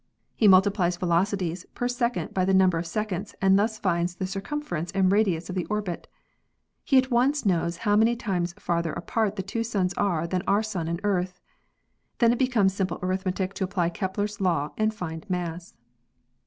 He multiplies velocities per second by the number of seconds and thus finds the cir cumference and radius of the orbit. He at once knows how many times farther apart the two suns are than our Sun and Earth. Then it becomes simple arithmetic to apply Kepler's law and find mass."